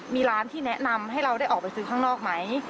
มีร้านที่แนะนำให้เราได้ออกไปซื้อข้างนอกไหม